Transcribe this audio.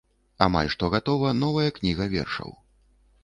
Амаль што гатова новая кніга вершаў.